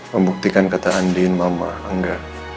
membuktikan kata andin mama angga